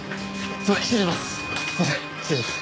すいません失礼します。